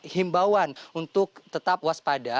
himbauan untuk tetap waspada